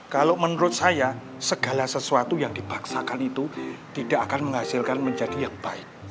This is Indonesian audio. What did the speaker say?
kalau menurut saya segala sesuatu yang dipaksakan itu tidak akan menghasilkan menjadi yang baik